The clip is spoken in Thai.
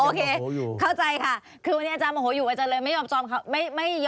โอเคเข้าใจค่ะคือวันนี้อาจารย์โมโหอยู่อาจารย์เลยไม่ยอมจองค่ะ